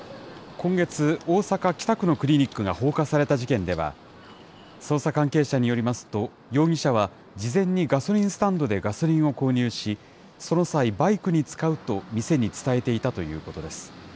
今月、大阪・北区のクリニックが放火された事件では、捜査関係者によりますと、容疑者は事前にガソリンスタンドでガソリンを購入し、その際、バイクに使うと店に伝えていたということです。